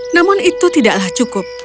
namun itu tidaklah cukup